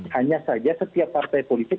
hanya saja setiap partai politik